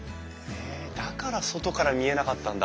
だから外から見えなかったんだ。